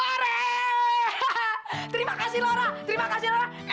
ore hahaha terima kasih laura terima kasih laura